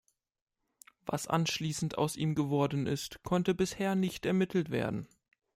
Was anschließend aus ihm geworden ist, konnte bisher nicht ermittelt werden.